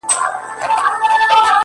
په مټي چي خان وكړی خرابات په دغه ښار كي؛